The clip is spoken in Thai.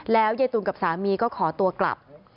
แล้วยายตูนกับสามีก็ขอตัวกลับ